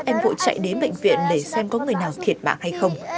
em vội chạy đến bệnh viện để xem có người nào thiệt mạng hay không